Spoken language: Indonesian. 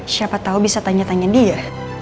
siapa tahu bisa tanya tanya dia